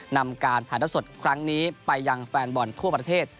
นำการถ่ายเท่าสดครั้งนี้ไปยังแฟนบอลทั่วประเทศ